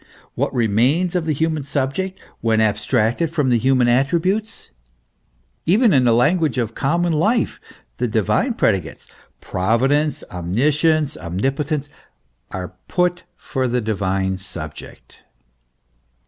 What remains of the human subject when abstracted from the human attributes ? Even in the language of common life the divine predicates Providence, Omniscience, Omni potence are put for the divine subject.